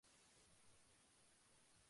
Vincent en Latrobe, Pensilvania.